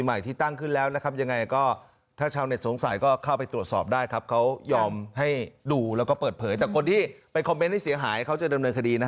ไอจีใหม่